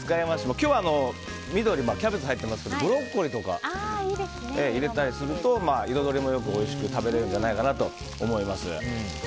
今日は緑キャベツが入っていますがブロッコリーを入れたりすると彩りもよくおいしく食べれるんじゃないかなと思います。